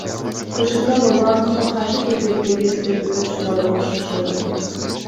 БШК Бабановго каршы кезектеги эскертүүнү чыгарууга шашылды.